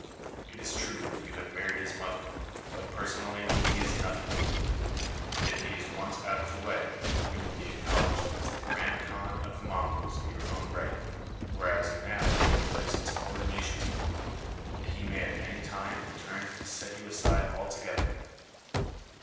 It is true that you have married his mother, but, personally, he is nothing to you. And, if he is once out of the way, you will be acknowledged as the Grand Khan of the Monguls in your own right, whereas you now hold your place in subordination to him, and he may at any time return and set you aside altogether."